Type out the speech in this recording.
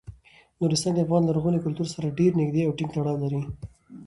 نورستان د افغان لرغوني کلتور سره ډیر نږدې او ټینګ تړاو لري.